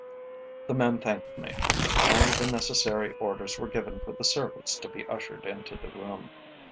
The man thanked me, and the necessary orders were given for the servants to be ushered into the room.